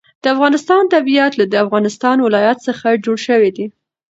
د افغانستان طبیعت له د افغانستان ولايتونه څخه جوړ شوی دی.